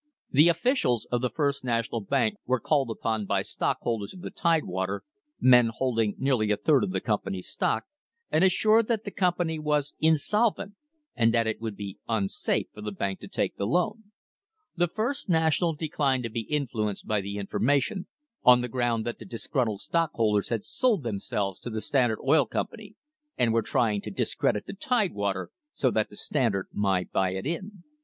The officials of the First National Bank were called upon by stockholders of the Tidewater, men holding nearly a third of the company's stock, and assured that the company was insolvent, and that it would be unsafe for the bank to take the loan. The First National declined to be influ enced by the information, on the ground that the disgruntled stockholders had sold themselves to the Standard Oil Com pany, and were trying to discredit the Tidewater, so that the Standard might buy it in.